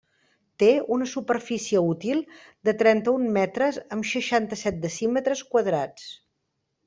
Té una superfície útil de trenta-un metres amb seixanta-set decímetres quadrats.